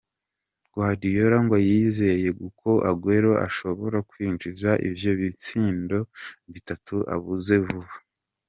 Guardiola ngo yizeye ko Aguero ashobora kwinjiza ivyo bitsindo bitatu abuze vuba.